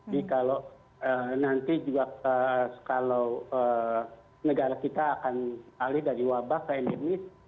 jadi kalau nanti juga kalau negara kita akan alih dari wabah ke endemis